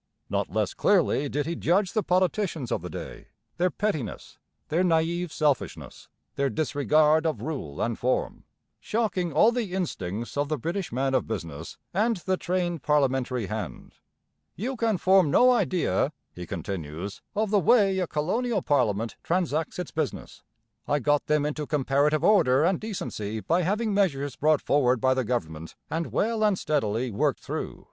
Not less clearly did he judge the politicians of the day, their pettiness, their naïve selfishness, their disregard of rule and form, shocking all the instincts of the British man of business and the trained parliamentary hand. 'You can form no idea,' he continues, 'of the way a Colonial Parliament transacts its business. I got them into comparative order and decency by having measures brought forward by the Government and well and steadily worked through.